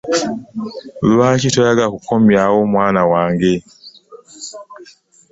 Lwaki toyagala kukomyawo mwana wange?